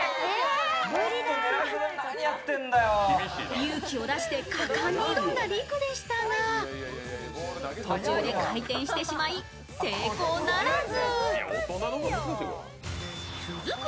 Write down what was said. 勇気を出して果敢に挑んだリクでしたが、途中で回転してしまい成功ならず。